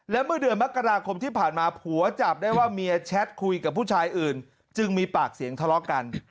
และเมื่อเดือนมกราคมที่ผ่านมาผัวจับได้ว่าเมียแชทคุยกับผู้ชายอื่นจึงมีปากเสียงทะเลาะกัน